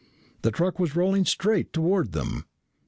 The truck was rolling straight toward them.